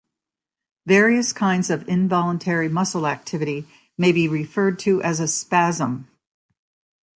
Various kinds of involuntary muscle activity may be referred to as a "spasm".